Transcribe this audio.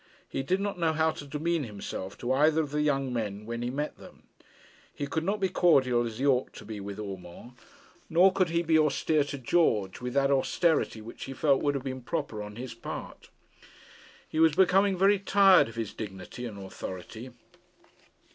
He did not know how to demean himself to either of the young men when he met them. He could not be cordial as he ought to be with Urmand; nor could he be austere to George with that austerity which he felt would have been proper on his part. He was becoming very tired of his dignity and authority.